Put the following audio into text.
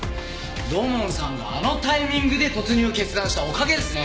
土門さんがあのタイミングで突入を決断したおかげですね。